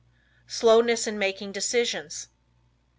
Slowness in Making Decisions.